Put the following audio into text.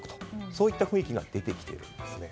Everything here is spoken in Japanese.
そういった雰囲気が出てきているんですね。